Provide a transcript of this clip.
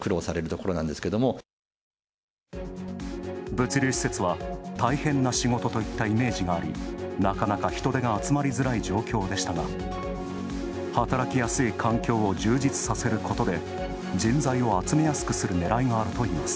物流施設は、大変な仕事といったイメージがありなかなか人手が集まりづらい状況でしたが働きやすい環境を充実させることで人材を集めやすくするねらいがあるといいます。